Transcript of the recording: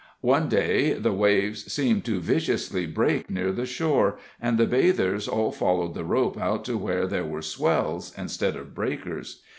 One day the waves seemed to viciously break near the shore, and the bathers all followed the rope out to where there were swells instead of breakers.